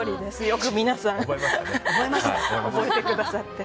よく皆さん覚えてくださって。